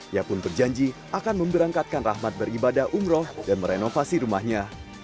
ia pun berjanji akan memberangkatkan rahmat beribadah umroh dan merenovasi rumahnya